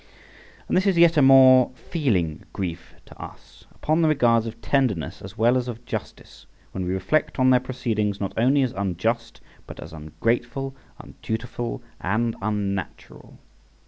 And this is yet a more feeling grief to us, upon the regards of tenderness as well as of justice, when we reflect on their proceedings not only as unjust, but as ungrateful, undutiful, and unnatural.